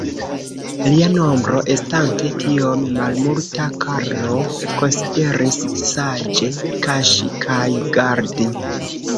Lia nombro estante tiom malmulta, Karlo konsideris saĝe kaŝi kaj gardi.